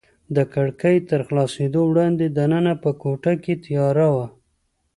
د کړکۍ تر خلاصېدو وړاندې دننه په کوټه کې تیاره وه.